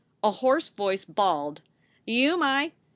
A hoarse voice bawled : Yew my